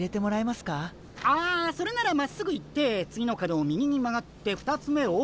ああそれならまっすぐ行って次の角を右に曲がって２つ目を。